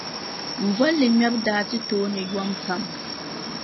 M boliŋmɛbo daa ti tooni yom pam.